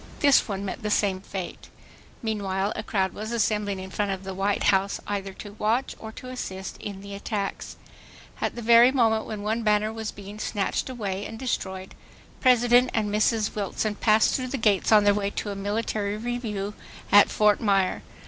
This one met the same fate. Meanwhile a crowd was assembling in front of the White House either to watch or to assist in the attacks. At the very moment when one banner was being snatched away and destroyed, President and Mrs. Wilson passed through the gates on their way to a military review at Fort Myer.